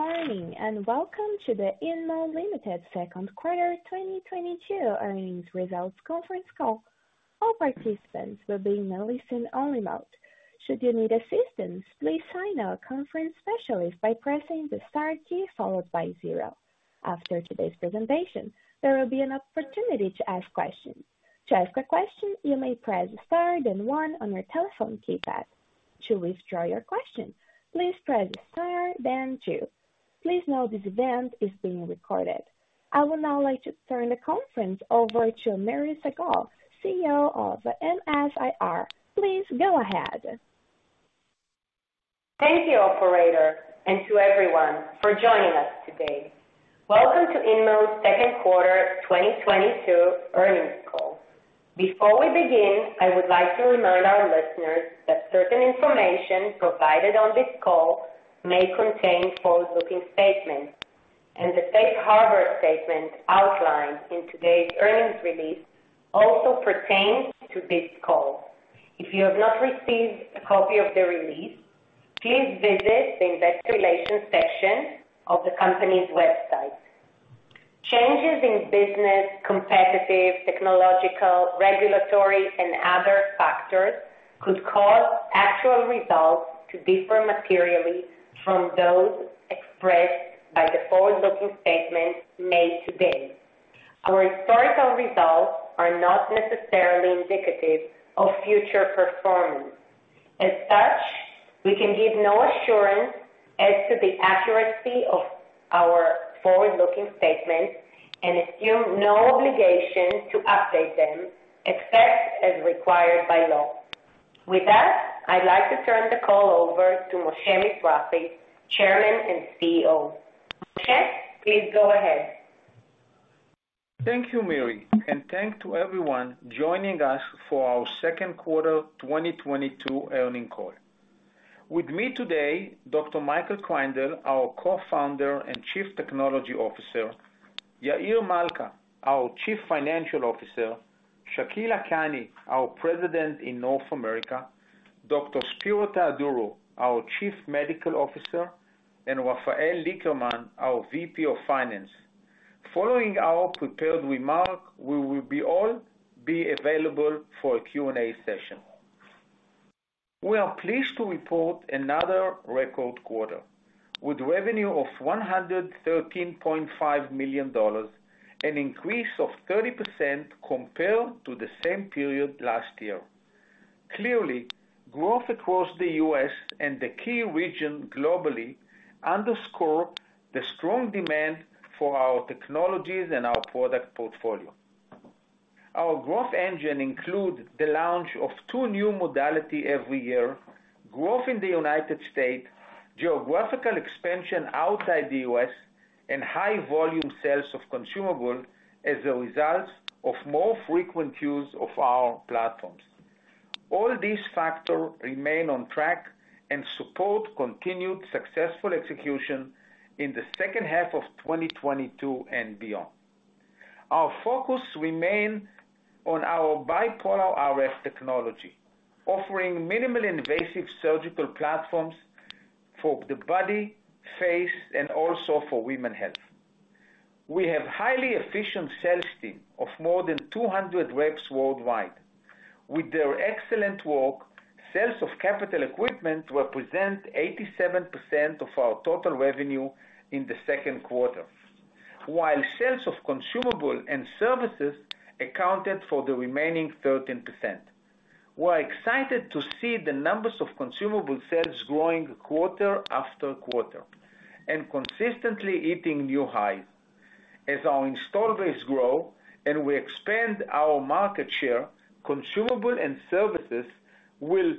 Good morning and welcome to the InMode Ltd second quarter 2022 earnings results conference call. All participants will be in a listen-only mode. Should you need assistance, please signal our conference specialist by pressing the star key followed by zero. After today's presentation, there will be an opportunity to ask questions. To ask a question, you may press star then one on your telephone keypad. To withdraw your question, please press star then two. Please note this event is being recorded. I would now like to turn the conference over to Miri Segal, CEO of MS-IR. Please go ahead. Thank you, operator, and to everyone for joining us today. Welcome to InMode's second quarter 2022 earnings call. Before we begin, I would like to remind our listeners that certain information provided on this call may contain forward-looking statements. The safe harbor statement outlined in today's earnings release also pertains to this call. If you have not received a copy of the release, please visit the investor relations section of the company's website. Changes in business, competitive, technological, regulatory and other factors could cause actual results to differ materially from those expressed by the forward-looking statements made today. Our historical results are not necessarily indicative of future performance. As such, we can give no assurance as to the accuracy of our forward-looking statements and assume no obligation to update them except as required by law. With that, I'd like to turn the call over to Moshe Mizrahy, Chairman and CEO. Moshe, please go ahead. Thank you, Miri, and thanks to everyone joining us for our second quarter 2022 earnings call. With me today, Dr. Michael Kreindel, our Co-Founder and Chief Technology Officer, Yair Malca, our Chief Financial Officer, Shakil Lakhani, our President in North America, Dr. Spero Theodorou, our Chief Medical Officer, and Rafael Lickerman, our VP of Finance. Following our prepared remarks, we will be all be available for a Q&A session. We are pleased to report another record quarter with revenue of $113.5 million, an increase of 30% compared to the same period last year. Clearly, growth across the U.S. and the key regions globally underscores the strong demand for our technologies and our product portfolio. Our growth engine includes the launch of two new modalities every year, growth in the United States, geographical expansion outside the U.S., and high-volume sales of consumables as a result of more frequent use of our platforms. All these factors remain on track and support continued successful execution in the second half of 2022 and beyond. Our focus remains on our bipolar RF technology, offering minimally invasive surgical platforms for the body, face, and also for women's health. We have a highly efficient sales team of more than 200 reps worldwide. With their excellent work, sales of capital equipment represent 87% of our total revenue in the second quarter, while sales of consumables and services accounted for the remaining 13%. We're excited to see the numbers of consumable sales growing quarter after quarter and consistently hitting new highs. As our install base grow and we expand our market share, consumable and services will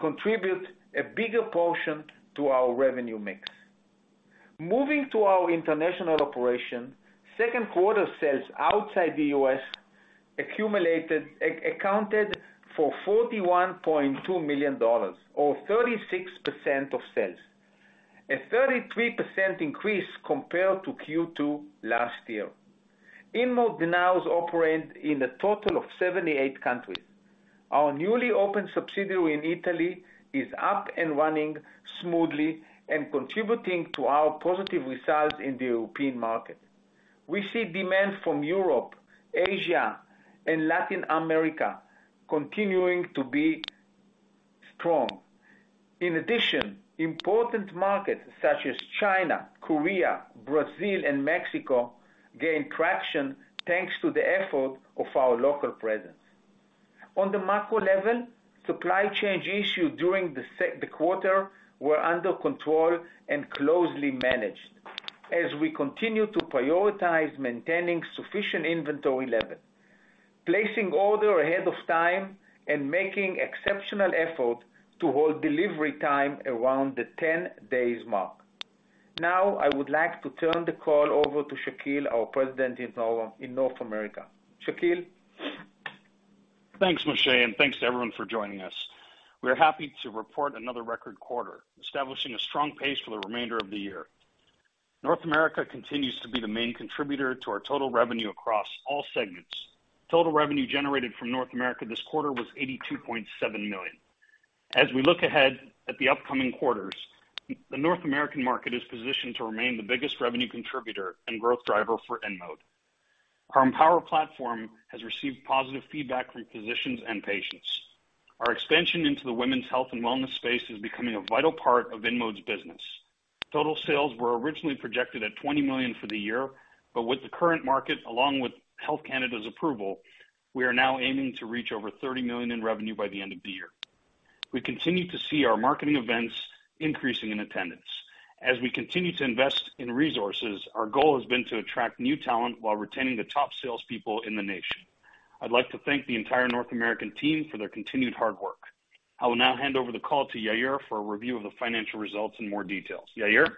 contribute a bigger portion to our revenue mix. Moving to our international operation, second quarter sales outside the U.S. accounted for $41.2 million or 36% of sales. A 33% increase compared to Q2 last year. InMode now operate in a total of 78 countries. Our newly opened subsidiary in Italy is up and running smoothly and contributing to our positive results in the European market. We see demand from Europe, Asia, and Latin America continuing to be strong. In addition, important markets such as China, Korea, Brazil, and Mexico gain traction thanks to the effort of our local presence. On the macro level, supply chain issue during the quarter were under control and closely managed as we continue to prioritize maintaining sufficient inventory level, placing order ahead of time and making exceptional effort to hold delivery time around the 10 days mark. Now, I would like to turn the call over to Shakil, our President in North America. Shakil? Thanks, Moshe, and thanks to everyone for joining us. We're happy to report another record quarter, establishing a strong pace for the remainder of the year. North America continues to be the main contributor to our total revenue across all segments. Total revenue generated from North America this quarter was $82.7 million. As we look ahead at the upcoming quarters, the North American market is positioned to remain the biggest revenue contributor and growth driver for InMode. Our EmpowerRF platform has received positive feedback from physicians and patients. Our expansion into the women's health and wellness space is becoming a vital part of InMode's business. Total sales were originally projected at $20 million for the year, but with the current market, along with Health Canada's approval, we are now aiming to reach over $30 million in revenue by the end of the year. We continue to see our marketing events increasing in attendance. As we continue to invest in resources, our goal has been to attract new talent while retaining the top salespeople in the nation. I'd like to thank the entire North American team for their continued hard work. I will now hand over the call to Yair for a review of the financial results in more detail. Yair?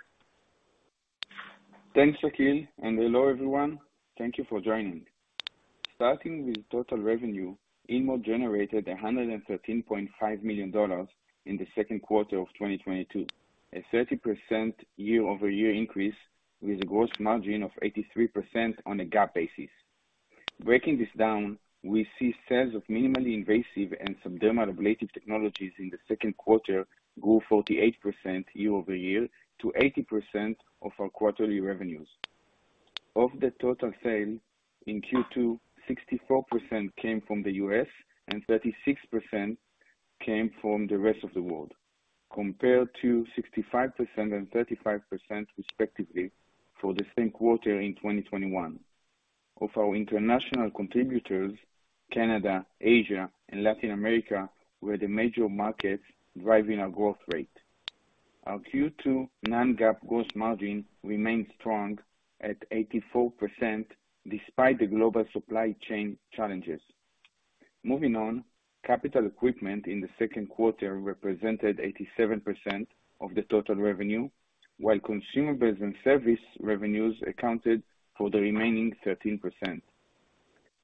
Thanks, Shakil, and hello, everyone. Thank you for joining. Starting with total revenue, InMode generated $113.5 million in the second quarter of 2022, a 30% year-over-year increase with a gross margin of 83% on a GAAP basis. Breaking this down, we see sales of minimally invasive and subdermal ablative technologies in the second quarter grew 48% year-over-year to 80% of our quarterly revenues. Of the total sale in Q2, 64% came from the U.S. and 36% came from the rest of the world, compared to 65% and 35%, respectively, for the same quarter in 2021. Of our international contributors, Canada, Asia, and Latin America were the major markets driving our growth rate. Our Q2 non-GAAP gross margin remained strong at 84% despite the global supply chain challenges. Moving on, capital equipment in the second quarter represented 87% of the total revenue, while consumables and service revenues accounted for the remaining 13%.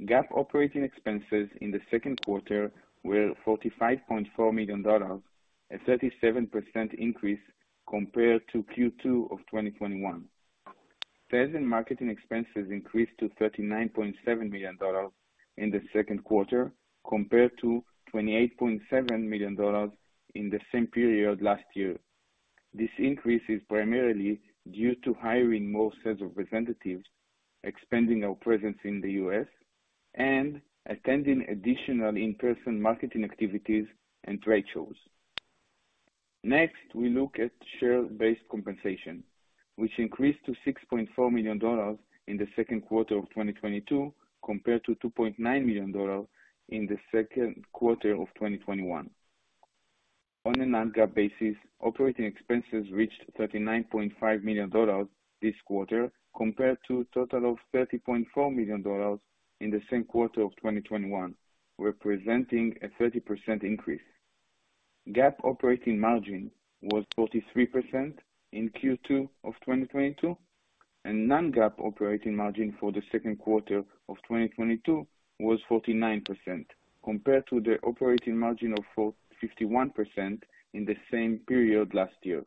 GAAP operating expenses in the second quarter were $45.4 million, a 37% increase compared to Q2 of 2021. Sales and marketing expenses increased to $39.7 million in the second quarter compared to $28.7 million in the same period last year. This increase is primarily due to hiring more sales representatives, expanding our presence in the U.S., and attending additional in-person marketing activities and trade shows. Next, we look at share-based compensation, which increased to $6.4 million in the second quarter of 2022 compared to $2.9 million in the second quarter of 2021. On a non-GAAP basis, operating expenses reached $39.5 million this quarter compared to a total of $30.4 million in the same quarter of 2021, representing a 30% increase. GAAP operating margin was 43% in Q2 of 2022, and non-GAAP operating margin for the second quarter of 2022 was 49% compared to the operating margin of 51% in the same period last year.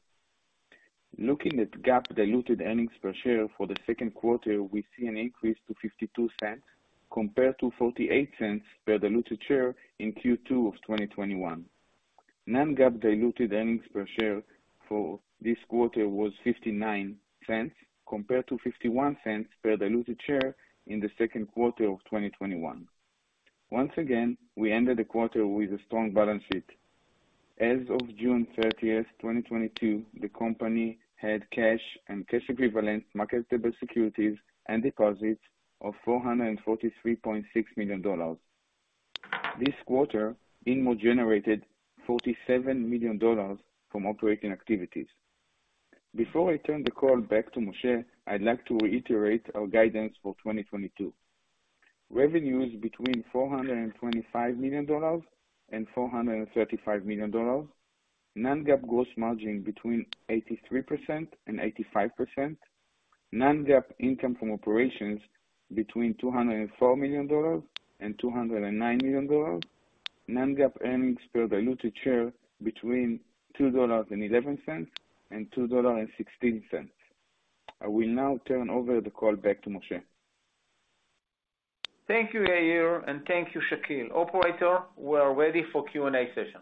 Looking at GAAP diluted earnings per share for the second quarter, we see an increase to $0.52 compared to $0.48 per diluted share in Q2 of 2021. Non-GAAP diluted earnings per share for this quarter was $0.59 compared to $0.51 per diluted share in the second quarter of 2021. Once again, we ended the quarter with a strong balance sheet. As of June 30th, 2022, the company had cash and cash equivalents, marketable securities, and deposits of $443.6 million. This quarter, InMode generated $47 million from operating activities. Before I turn the call back to Moshe, I'd like to reiterate our guidance for 2022. Revenues between $425 million and $435 million, non-GAAP gross margin between 83% and 85%, non-GAAP income from operations between $204 million and $209 million, non-GAAP earnings per diluted share between $2.11 and $2.16. I will now turn the call back to Moshe. Thank you, Yair, and thank you, Shakil. Operator, we are ready for Q&A session.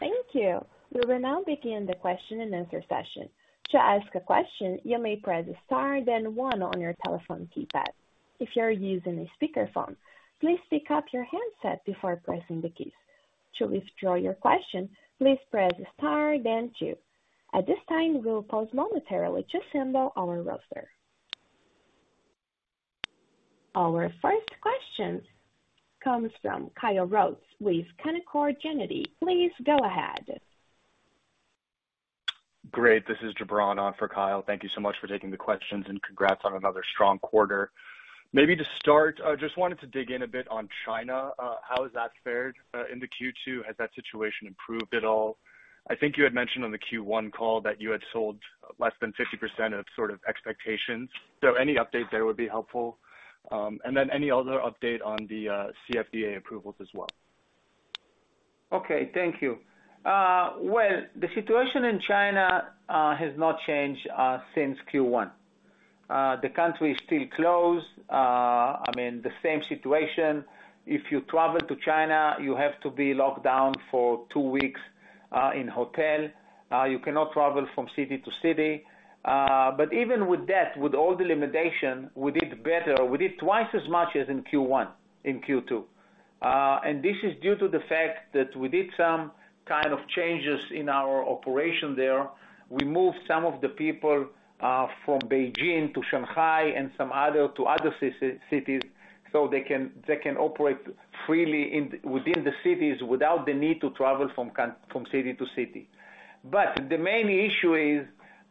Thank you. We will now begin the question and answer session. To ask a question, you may press star then one on your telephone keypad. If you are using a speaker phone, please pick up your handset before pressing the keys. To withdraw your question, please press star then two. At this time, we will pause momentarily to assemble our roster. Our first question comes from Kyle Rose with Canaccord Genuity. Please go ahead. Great. This is Gibran on for Kyle. Thank you so much for taking the questions and congrats on another strong quarter. Maybe to start, I just wanted to dig in a bit on China. How has that fared in the Q2? Has that situation improved at all? I think you had mentioned on the Q1 call that you had sold less than 50% of sort of expectations. Any update there would be helpful. Then any other update on the CFDA approvals as well. Okay. Thank you. Well, the situation in China has not changed since Q1. The country is still closed. I mean, the same situation. If you travel to China, you have to be locked down for two weeks in hotel. You cannot travel from city to city. Even with that, with all the limitation, we did better. We did twice as much as in Q1, in Q2. This is due to the fact that we did some kind of changes in our operation there. We moved some of the people from Beijing to Shanghai and some other to other cities so they can operate freely within the cities without the need to travel from city to city. The main issue is,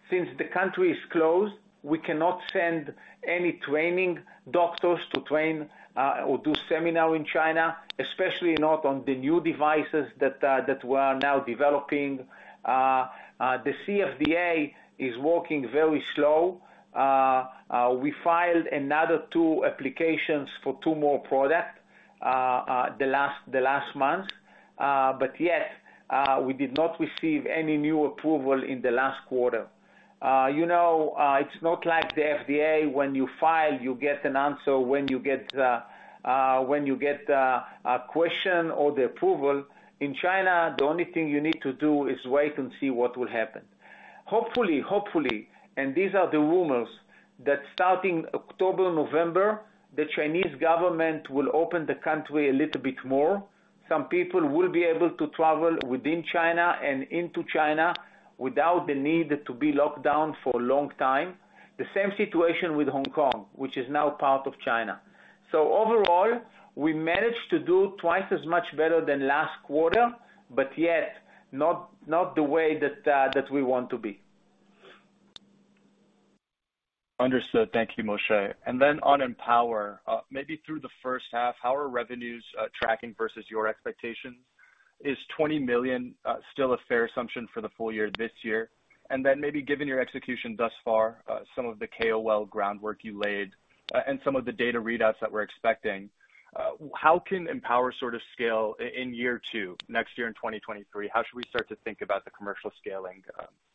since the country is closed, we cannot send any training doctors to train or do seminar in China, especially not on the new devices that we are now developing. The CFDA is working very slow. We filed another two applications for two more products, the last month. Yet we did not receive any new approval in the last quarter. You know, it's not like the FDA, when you file, you get an answer, when you get a question or the approval. In China, the only thing you need to do is wait and see what will happen. Hopefully, and these are the rumors, that starting October, November, the Chinese government will open the country a little bit more. Some people will be able to travel within China and into China without the need to be locked down for a long time. The same situation with Hong Kong, which is now part of China. Overall, we managed to do twice as much better than last quarter, but yet, not the way that we want to be. Understood. Thank you, Moshe. On EmpowerRF, maybe through the first half, how are revenues tracking versus your expectations? Is $20 million still a fair assumption for the full year this year? Maybe given your execution thus far, some of the KOL groundwork you laid, and some of the data readouts that we're expecting, how can EmpowerRF sort of scale in year two, next year in 2023? How should we start to think about the commercial scaling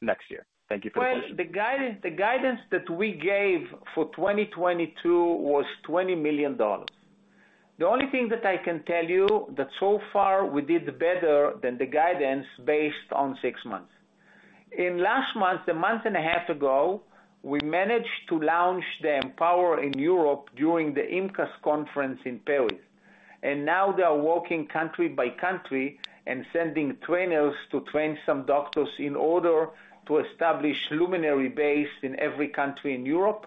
next year? Thank you for the question. Well, the guidance that we gave for 2022 was $20 million. The only thing that I can tell you that so far we did better than the guidance based on six months. In the last month, a month and a half ago, we managed to launch the EmpowerRF in Europe during the IMCAS conference in Paris. Now they are working country by country and sending trainers to train some doctors in order to establish luminary base in every country in Europe.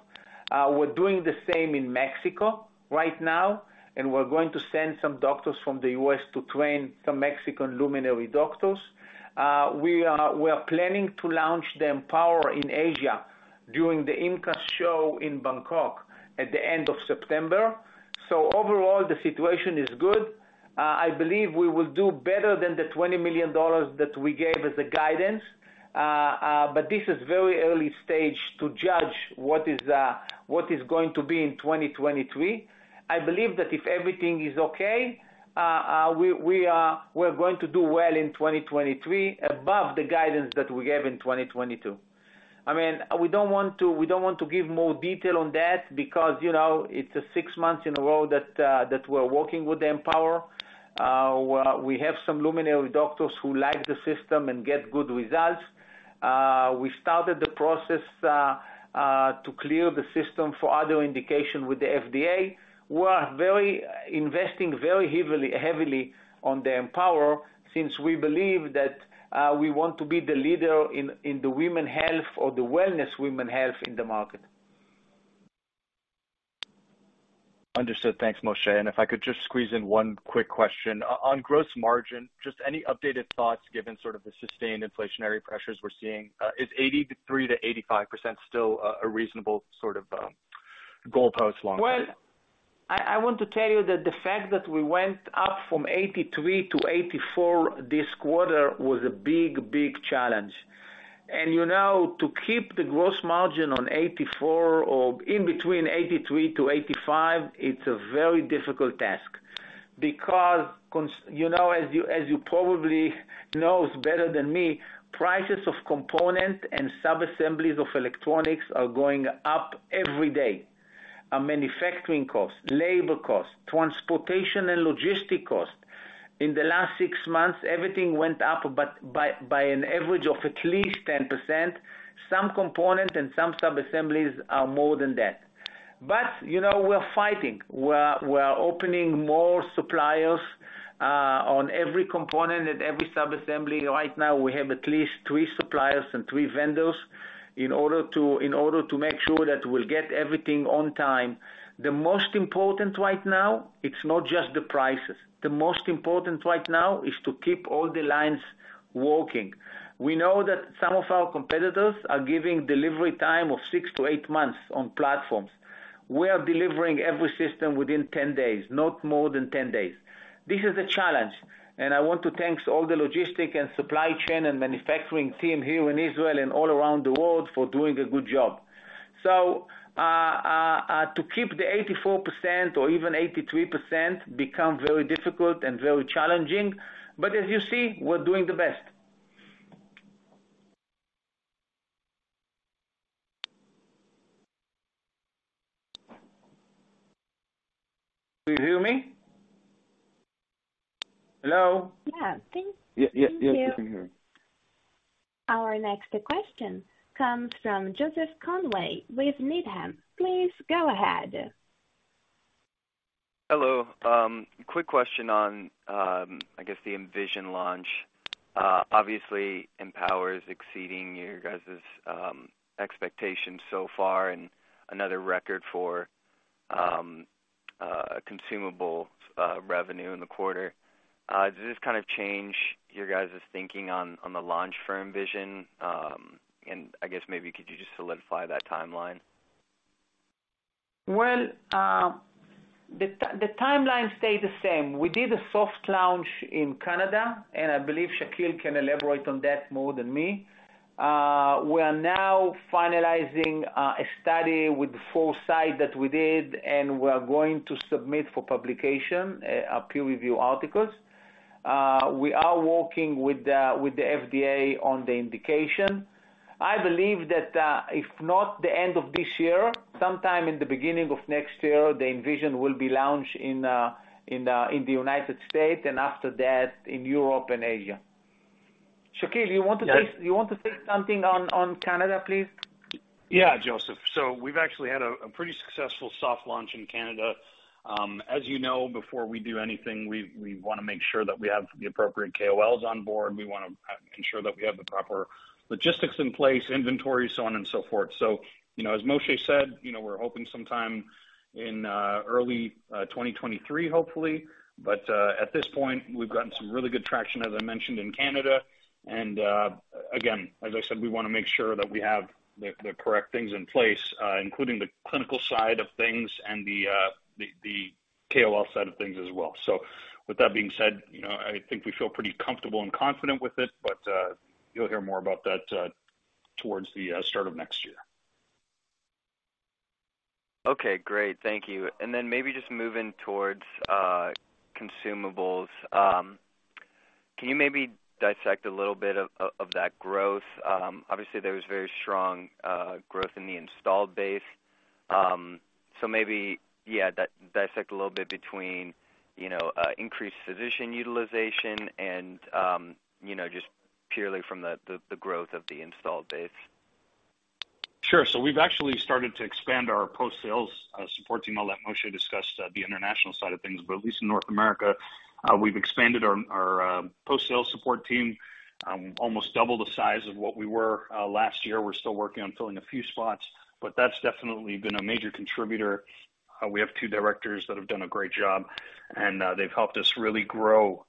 We're doing the same in Mexico right now, and we're going to send some doctors from the U.S. to train some Mexican luminary doctors. We are planning to launch the EmpowerRF in Asia during the IMCAS show in Bangkok at the end of September. Overall, the situation is good. I believe we will do better than the $20 million that we gave as guidance. This is very early stage to judge what is going to be in 2023. I believe that if everything is okay, we're going to do well in 2023 above the guidance that we gave in 2022. I mean, we don't want to give more detail on that because, you know, it's six months in a row that we're working with EmpowerRF. We have some luminary doctors who like the system and get good results. We started the process to clear the system for other indication with the FDA. We are investing very heavily on the EmpowerRF since we believe that we want to be the leader in the women health or the wellness women health in the market. Understood. Thanks, Moshe. If I could just squeeze in one quick question. On gross margin, just any updated thoughts given sort of the sustained inflationary pressures we're seeing? Is 83%-85% still a reasonable sort of goalpost long term? Well, I want to tell you that the fact that we went up from 83% to 84% this quarter was a big challenge. You know, to keep the gross margin on 84% or in between 83%-85%, it's a very difficult task. Because you know, as you probably knows better than me, prices of components and sub-assemblies of electronics are going up every day. Our manufacturing costs, labor costs, transportation and logistics costs. In the last six months, everything went up, but by an average of at least 10%. Some components and some sub-assemblies are more than that. But, you know, we're fighting. We're opening more suppliers on every component at every sub-assembly. Right now, we have at least three suppliers and three vendors in order to make sure that we'll get everything on time. The most important right now, it's not just the prices. The most important right now is to keep all the lines working. We know that some of our competitors are giving delivery time of six to eight months on platforms. We are delivering every system within 10 days, not more than 10 days. This is a challenge, and I want to thank all the logistics and supply chain and manufacturing team here in Israel and all around the world for doing a good job. To keep the 84% or even 83% become very difficult and very challenging. But as you see, we're doing the best. Can you hear me? Hello? Yeah. Yeah, yeah. Thank you. Yes, we can hear. Our next question comes from Joseph Conway with Needham. Please go ahead. Hello. Quick question on, I guess the Envision launch. Obviously, EmpowerRF is exceeding your guys' expectations so far and another record for consumable revenue in the quarter. Does this kind of change you guys' thinking on the launch for Envision? I guess maybe could you just solidify that timeline? Well, the timeline stayed the same. We did a soft launch in Canada, and I believe Shakil can elaborate on that more than me. We are now finalizing a study with the foresight that we did, and we are going to submit for publication a peer review articles. We are working with the FDA on the indication. I believe that if not the end of this year, sometime in the beginning of next year, the Envision will be launched in the United States, and after that, in Europe and Asia. Shakil, you want to say. Yes. You want to say something on Canada, please? Yeah, Joseph. We've actually had a pretty successful soft launch in Canada. As you know, before we do anything, we wanna make sure that we have the appropriate KOLs on board. We wanna ensure that we have the proper logistics in place, inventory, so on and so forth. You know, as Moshe said, you know, we're hoping sometime in early 2023, hopefully. At this point, we've gotten some really good traction, as I mentioned in Canada. Again, as I said, we wanna make sure that we have the correct things in place, including the clinical side of things and the KOL side of things as well. With that being said, you know, I think we feel pretty comfortable and confident with it, but you'll hear more about that towards the start of next year. Okay, great. Thank you. Maybe just moving toward consumables. Can you maybe dissect a little bit of that growth? Obviously, there was very strong growth in the installed base. Maybe, yeah, that dissect a little bit between, you know, increased physician utilization and, you know, just purely from the growth of the installed base. Sure. We've actually started to expand our post-sales support team. I'll let Moshe discuss the international side of things, but at least in North America, we've expanded our post-sales support team almost double the size of what we were last year. We're still working on filling a few spots, but that's definitely been a major contributor. We have two directors that have done a great job, and they've helped us really grow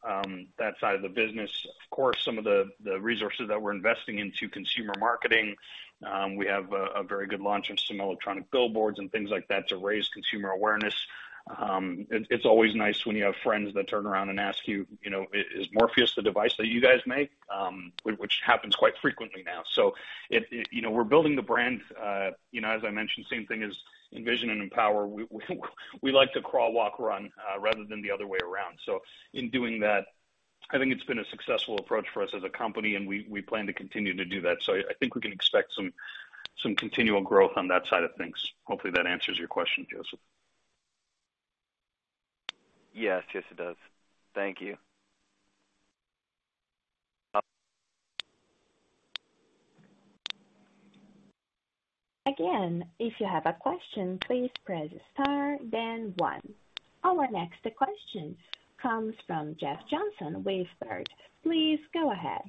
that side of the business. Of course, some of the resources that we're investing into consumer marketing, we have a very good launch of some electronic billboards and things like that to raise consumer awareness. It's always nice when you have friends that turn around and ask you know, "Is Morpheus8 the device that you guys make?" Which happens quite frequently now. It, you know, we're building the brand. You know, as I mentioned, same thing as Envision and EmpowerRF. We like to crawl, walk, run rather than the other way around. In doing that, I think it's been a successful approach for us as a company, and we plan to continue to do that. I think we can expect some continual growth on that side of things. Hopefully, that answers your question, Joseph. Yes. Yes, it does. Thank you. Again, if you have a question, please press star then one. Our next question comes from Jeff Johnson with Baird. Please go ahead.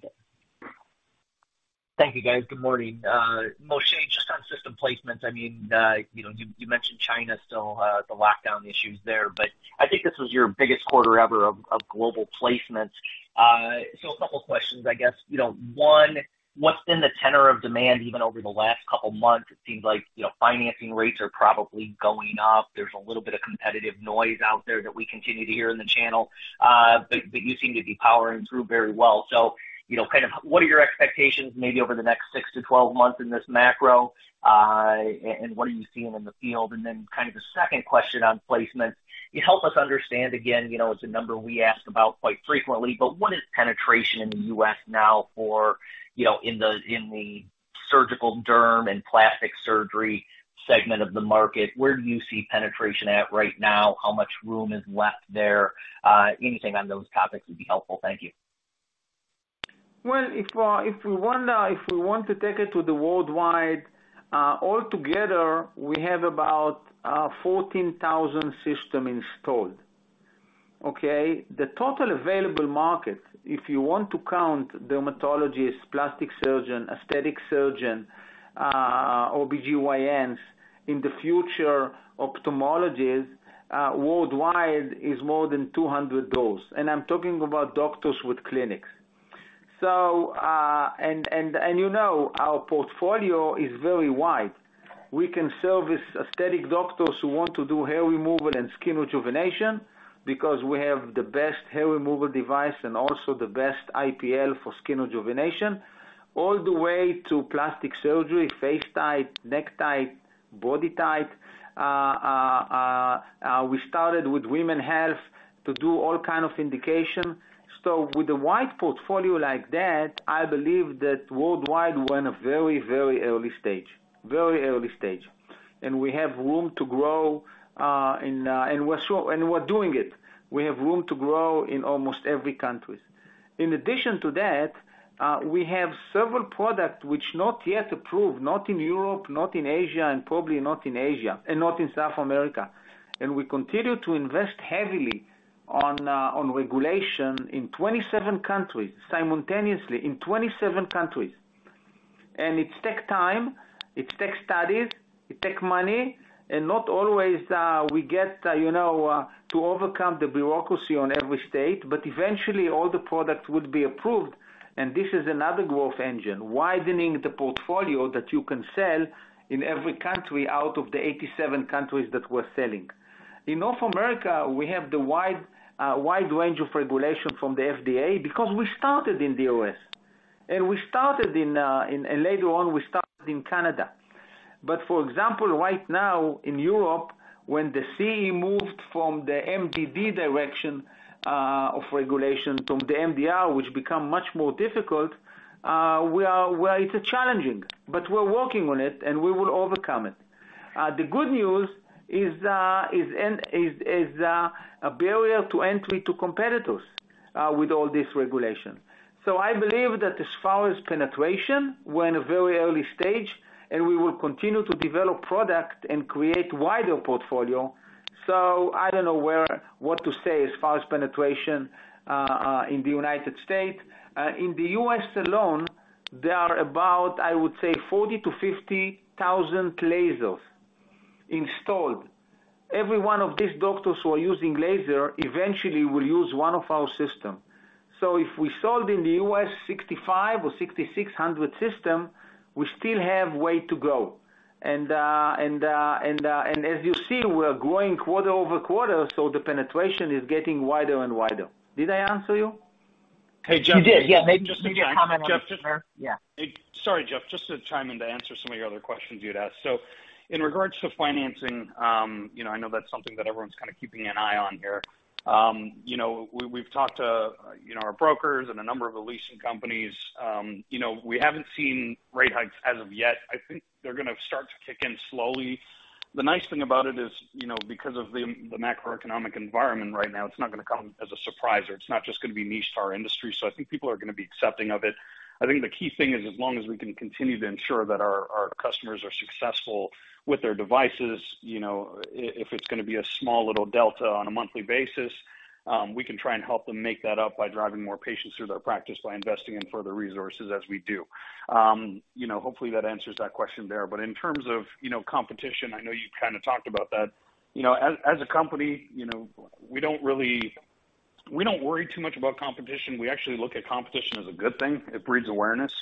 Thank you, guys. Good morning. Moshe, just on system placements, I mean, you know, you mentioned China still has the lockdown issues there, but I think this was your biggest quarter ever of global placements. So a couple of questions, I guess. You know, one, what's been the tenor of demand even over the last couple of months? It seems like, you know, financing rates are probably going up. There's a little bit of competitive noise out there that we continue to hear in the channel, but you seem to be powering through very well. So, you know, kind of what are your expectations maybe over the next six to 12 months in this macro? And what are you seeing in the field? And then kind of a second question on placement. Can you help us understand, again, you know, it's a number we ask about quite frequently, but what is penetration in the U.S. now for, you know, in the, in the surgical derm and plastic surgery segment of the market? Where do you see penetration at right now? How much room is left there? Anything on those topics would be helpful. Thank you. Well, if we want to take it to the worldwide, all together, we have about 14,000 systems installed. Okay? The total available market, if you want to count dermatologists, plastic surgeons, aesthetic surgeons, OBGYNs, in the future, ophthalmologists, worldwide is more than 200 doors. I'm talking about doctors with clinics. You know, our portfolio is very wide. We can service aesthetic doctors who want to do hair removal and skin rejuvenation because we have the best hair removal device and also the best IPL for skin rejuvenation, all the way to plastic surgery, FaceTite, NeckTite, BodyTite. We started with women's health to do all kinds of indications. With the wide portfolio like that, I believe that worldwide we're in a very early stage. We have room to grow, and we're doing it. We have room to grow in almost every countries. In addition to that, we have several products which not yet approved, not in Europe, not in Asia, and probably not in Asia, and not in South America. We continue to invest heavily on regulation in 27 countries simultaneously. In 27 countries. It takes time, it takes studies, it takes money, and not always we get to overcome the bureaucracy in every state, but eventually all the products would be approved, and this is another growth engine, widening the portfolio that you can sell in every country out of the 87 countries that we're selling. In North America, we have a wide range of regulation from the FDA because we started in the U.S. We started in Canada. For example, right now in Europe, when the CE moved from the MDD direction of regulation to the MDR, which become much more difficult, it's challenging, but we're working on it and we will overcome it. The good news is a barrier to entry to competitors with all this regulation. I believe that as far as penetration, we're in a very early stage, and we will continue to develop product and create wider portfolio. I don't know what to say as far as penetration in the United States. In the U.S. alone, there are about, I would say, 40,000 to 50,000 lasers installed. Every one of these doctors who are using laser eventually will use one of our system. If we sold in the U.S. 6,500 or 6,600 system, we still have way to go. As you see, we are growing quarter-over-quarter, so the penetration is getting wider and wider. Did I answer you? Hey, Jeff. You did. Yeah. Maybe just a comment on. Jeff, just. Yeah. Sorry, Jeff. Just to chime in to answer some of your other questions you'd asked. In regards to financing, you know, I know that's something that everyone's kinda keeping an eye on here. You know, we've talked to, you know, our brokers and a number of the leasing companies. You know, we haven't seen rate hikes as of yet. I think they're gonna start to kick in slowly. The nice thing about it is, you know, because of the macroeconomic environment right now, it's not gonna come as a surprise, or it's not just gonna be niched to our industry, so I think people are gonna be accepting of it. I think the key thing is as long as we can continue to ensure that our customers are successful with their devices, you know, if it's gonna be a small little delta on a monthly basis, we can try and help them make that up by driving more patients through their practice by investing in further resources as we do. You know, hopefully that answers that question there. In terms of, you know, competition, I know you kinda talked about that. You know, as a company, you know, we don't really worry too much about competition. We actually look at competition as a good thing. It breeds awareness.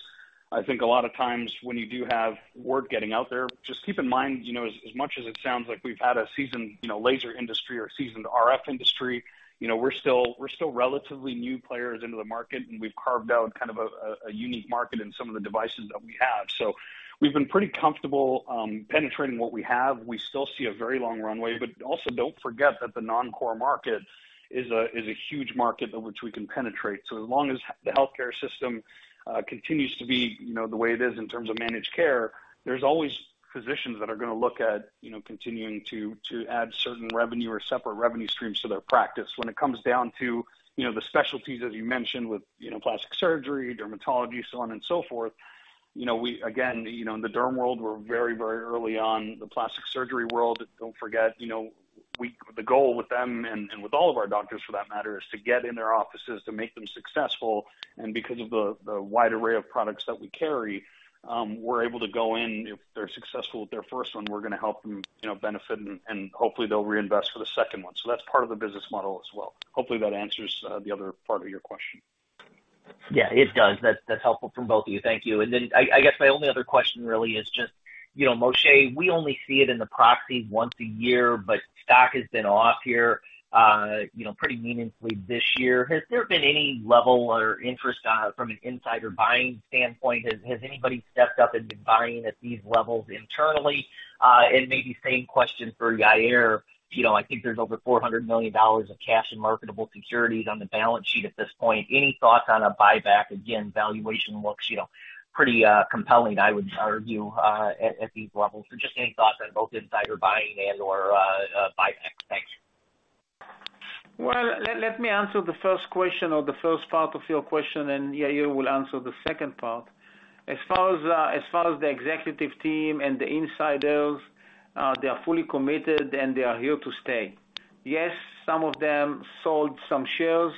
I think a lot of times when you do have word getting out there, just keep in mind, you know, as much as it sounds like we've had a seasoned, you know, laser industry or a seasoned RF industry, you know, we're still relatively new players into the market, and we've carved out kind of a unique market in some of the devices that we have. We've been pretty comfortable penetrating what we have. We still see a very long runway. Also don't forget that the non-core market is a huge market in which we can penetrate. As long as the healthcare system continues to be, you know, the way it is in terms of managed care, there's always physicians that are gonna look at, you know, continuing to add certain revenue or separate revenue streams to their practice. When it comes down to, you know, the specialties, as you mentioned, with, you know, plastic surgery, dermatology, so on and so forth, you know, we again, you know, in the derm world, we're very, very early on. The plastic surgery world, don't forget, you know, the goal with them and with all of our doctors for that matter, is to get in their offices to make them successful. Because of the wide array of products that we carry, we're able to go in. If they're successful with their first one, we're gonna help them, you know, benefit and hopefully they'll reinvest for the second one. That's part of the business model as well. Hopefully, that answers the other part of your question. Yeah, it does. That's helpful from both of you. Thank you. I guess my only other question really is just, you know, Moshe, we only see it in the proxy once a year, but stock has been off here, you know, pretty meaningfully this year. Has there been any level or interest from an insider buying standpoint? Has anybody stepped up and been buying at these levels internally? And maybe same question for Yair. You know, I think there's over $400 million of cash and marketable securities on the balance sheet at this point. Any thoughts on a buyback? Again, valuation looks, you know, pretty compelling, I would argue, at these levels. Just any thoughts on both insider buying and/or a buyback. Thanks. Well, let me answer the first question or the first part of your question, and Yair will answer the second part. As far as the executive team and the insiders, they are fully committed, and they are here to stay. Yes, some of them sold some shares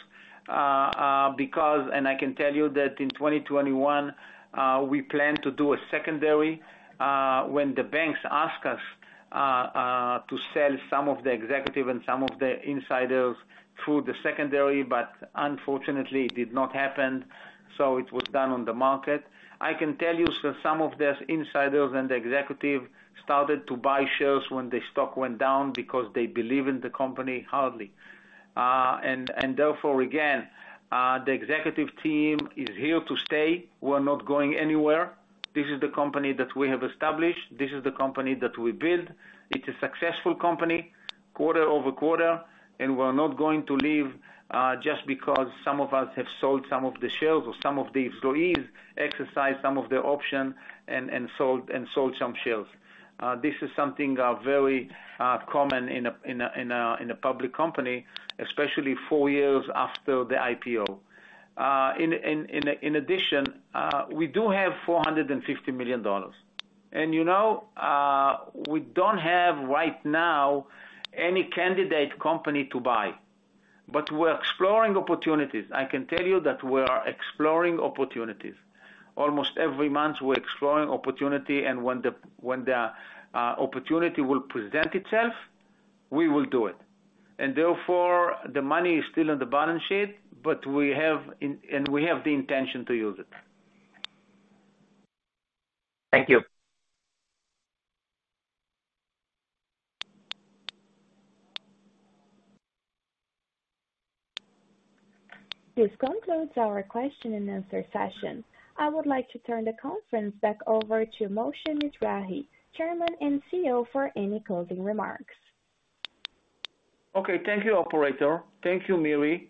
because I can tell you that in 2021, we planned to do a secondary when the banks asked us to sell some of the executive and some of the insiders through the secondary, but unfortunately it did not happen, so it was done on the market. I can tell you. Some of these insiders and the executive started to buy shares when the stock went down because they believe in the company heartily. Therefore, again, the executive team is here to stay. We're not going anywhere. This is the company that we have established. This is the company that we build. It's a successful company quarter-over-quarter, and we're not going to leave just because some of us have sold some of the shares or some of the employees exercised some of their option and sold some shares. This is something very common in a public company, especially four years after the IPO. In addition, we do have $450 million. You know, we don't have right now any candidate company to buy, but we're exploring opportunities. I can tell you that we are exploring opportunities. Almost every month we're exploring opportunity, and when the opportunity will present itself, we will do it. Therefore, the money is still on the balance sheet, but we have the intention to use it. Thank you. This concludes our question and answer session. I would like to turn the conference back over to Moshe Mizrahy, Chairman and CEO, for any closing remarks. Okay. Thank you, operator. Thank you, Miri.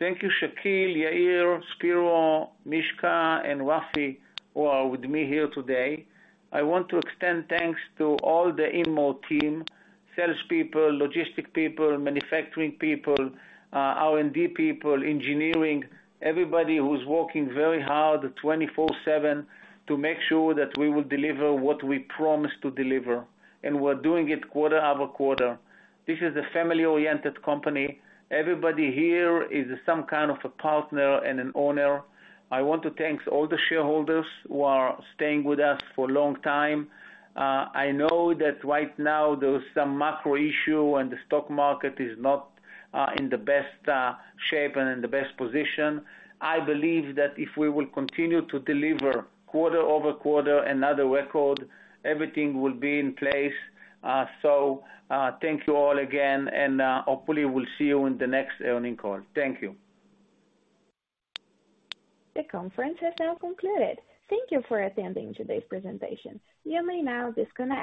Thank you, Shakil, Yair, Spero, Mishka, and Rafi, who are with me here today. I want to extend thanks to all the InMode team, salespeople, logistic people, manufacturing people, R&D people, engineering, everybody who's working very hard 24/7 to make sure that we will deliver what we promised to deliver, and we're doing it quarter-over-quarter. This is a family-oriented company. Everybody here is some kind of a partner and an owner. I want to thanks all the shareholders who are staying with us for a long time. I know that right now there is some macro issue and the stock market is not in the best shape and in the best position. I believe that if we will continue to deliver quarter-over-quarter another record, everything will be in place. Thank you all again and, hopefully we'll see you in the next earnings call. Thank you. The conference has now concluded. Thank you for attending today's presentation. You may now disconnect.